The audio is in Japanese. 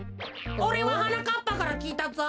おれははなかっぱからきいたぞ。